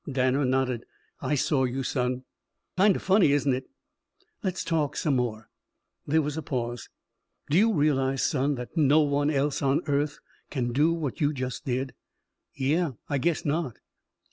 Danner nodded. "I saw you, son." "Kind of funny, isn't it?" "Let's talk some more." There was a pause. "Do you realize, son, that no one else on earth can do what you just did?" "Yeah. I guess not."